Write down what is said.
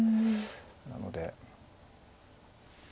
なので。